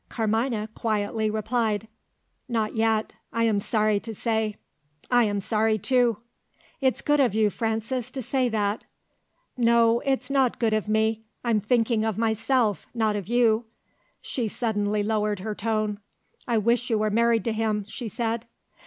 Carmina quietly replied, "Not yet I am sorry to say." "I am sorry too." "It's good of you, Frances, to say that." "No: it's not good of me. I'm thinking of myself not of you." She suddenly lowered her tone. "I wish you were married to him," she said.